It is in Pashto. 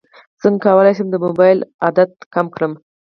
څنګه کولی شم د موبایل عادت کم کړم